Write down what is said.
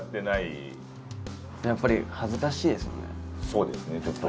そうですねちょっと。